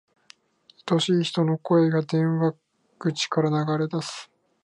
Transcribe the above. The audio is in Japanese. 愛しい人の声が、電話口から流れ出す。